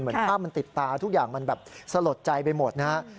เหมือนภาพมันติดตาทุกอย่างมันแบบสลดใจไปหมดนะครับ